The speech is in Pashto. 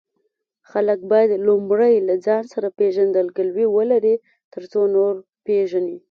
خلک باید لومړی له ځان سره پیژندګلوي ولري، ترڅو نور پیژني.